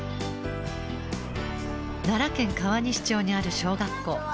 奈良県川西町にある小学校。